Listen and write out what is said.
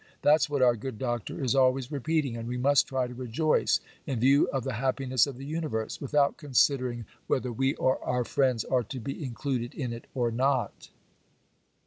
That's what our good Doctor is always repeating; and we must try to rejoice, in view of the happiness of the universe, without considering whether we or our friends are to be included in it or not.